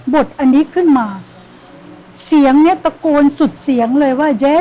ดอันนี้ขึ้นมาเสียงเนี้ยตะโกนสุดเสียงเลยว่าเย้